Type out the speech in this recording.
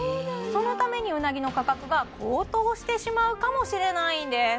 そのためにうなぎの価格が高騰してしまうかもしれないんです